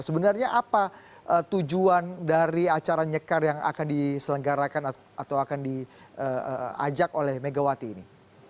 sebenarnya apa tujuan dari acara nyekar yang akan diselenggarakan atau akan diajak oleh megawati ini